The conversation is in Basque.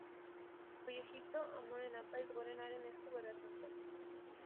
Goi Egipto, Amonen Apaiz Gorenaren esku geratzen zen.